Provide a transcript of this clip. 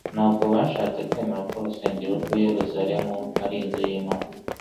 Ntabwo bashatse kwemera ko urusengero rw'i Yerusalemu ari inzu y'Imana,